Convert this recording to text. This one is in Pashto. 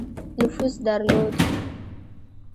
نفوذ درلود.